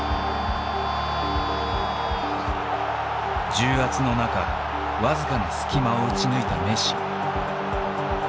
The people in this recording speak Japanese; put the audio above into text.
重圧の中僅かな隙間を打ち抜いたメッシ。